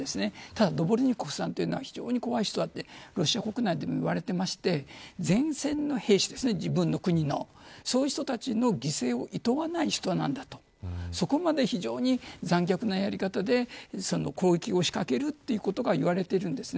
ただ、ドゥボルニコフさんは非常に怖い人とロシア国内でも言われていまして前線の兵士の犠牲をいとわない人なんだとそこまで非常に残虐なやり方で攻撃を仕掛ける、ということがいわれているんです。